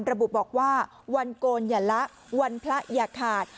ระบุบอกว่าวันโกนอย่าละวันพระอย่าขาด